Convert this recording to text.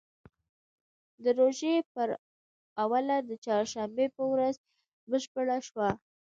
د روژې پر اوله د چهارشنبې په ورځ بشپړه شوه.